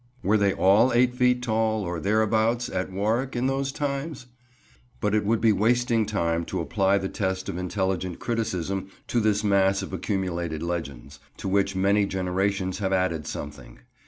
Were they all eight feet tall, or thereabouts, at Warwick in those times? But it would be wasting time to apply the test of intelligent criticism to this mass of accumulated legends, to which many generations have added something.